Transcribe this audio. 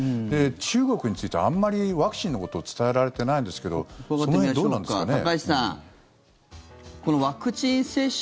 中国についてはあんまりワクチンのことを伝えられていないんですけどその辺どうなんですかね。